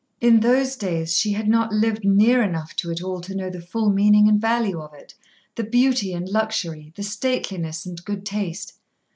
In those days she had not lived near enough to it all to know the full meaning and value of it the beauty and luxury, the stateliness and good taste.